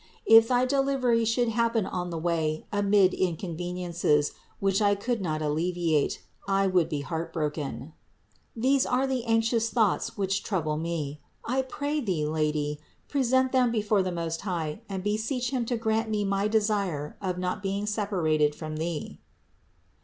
If thy delivery should happen on the way, amid inconveniences, which I could not alleviate, I would be heartbroken. These are the anxious thoughts which trouble me. I pray Thee, Lady, present them before the Most High and beseech Him to grant me my desire of not being separated from Thee."